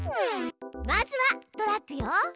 まずはドラッグよ。